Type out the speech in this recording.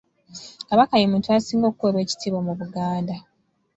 Kabaka ye muntu asinga okuweebwa ekitiibwa mu Buganda.